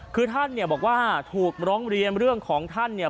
คือท่านเนี่ยบอกว่าถูกร้องเรียนเรื่องของท่านเนี่ย